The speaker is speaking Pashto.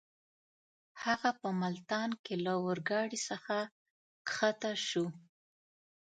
هغه په ملتان کې له اورګاډۍ څخه کښته شو.